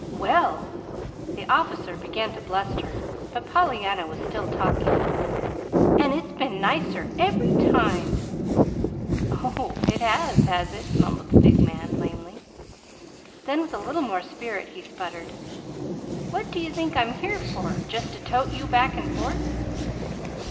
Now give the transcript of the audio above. "Well!" the officer began to bluster; but Pollyanna was still talking. "And it's been nicer every time!" "Oh h, it has has it?" mumbled the big man, lamely. Then, with a little more spirit he sputtered: "What do you think I'm here for just to tote you back and forth?"